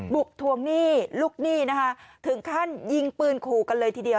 บุกทวงหนี้ลูกหนี้นะคะถึงขั้นยิงปืนขู่กันเลยทีเดียว